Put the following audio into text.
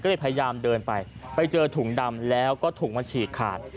ก็เลยพยายามเดินไปไปเจอถุงดำแล้วก็ถุงมาฉีกขาด